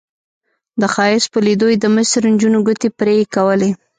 د ښایست په لیدو یې د مصر نجونو ګوتې پرې کولې.